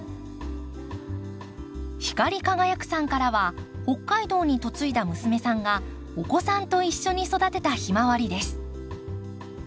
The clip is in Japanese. ひかりかがやくさんからは北海道に嫁いだ娘さんがお子さんと一緒に育てたヒマワリです。